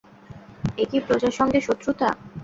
এ কি প্রজার সঙ্গে শত্রুতা?